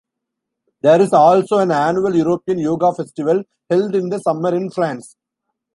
There is also an annual European Yoga Festival held in the summer in France.